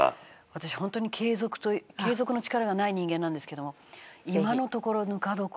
私ホントに継続継続の力がない人間なんですけども今のところぬか床は。